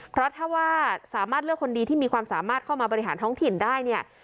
เพราะถ้าว่าสามารถเลือกคนดีที่มีความสามารถเข้ามาบริหารท้องถิ่นได้เนี่ย